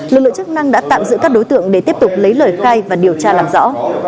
lực lượng chức năng đã tạm giữ các đối tượng để tiếp tục lấy lời khai và điều tra làm rõ